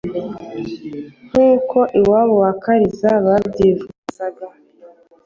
nk’uko iwabo wa Kirezi babyifuzaga.